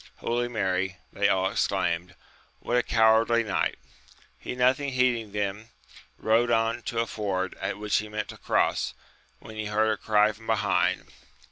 Holy Mary, they all exclaimed, what a cowardly knight ! He nothing heeding them, rode on to a ford, at which he meant to cross, when he heard a cry from behind.